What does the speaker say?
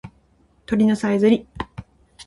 鳥のさえずり